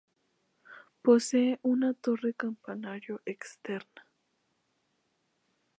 Posee una torre campanario exenta.